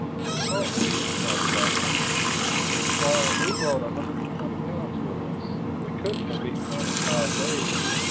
"The salt beef!" cried the Doctor. "Why, we brought a hundred and twenty pounds with us. We couldn't have eaten that in five days.